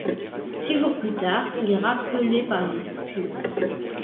Six jours plus tard, il est rappelé par les Spurs.